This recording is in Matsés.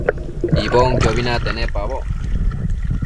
Icbonquiobi nate nepaboc